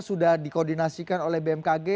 sudah dikoordinasikan oleh bmkg